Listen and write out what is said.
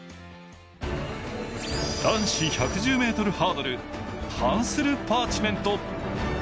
男子１１０ｍハードル、ハンスル・パーチメント。